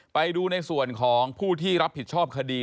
ไปดูในส่วนของผู้ที่รับผิดชอบคดี